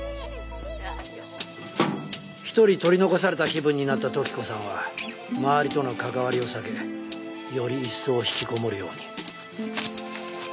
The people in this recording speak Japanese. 一人取り残された気分になった時子さんは周りとの関わりを避けより一層ひきこもるように。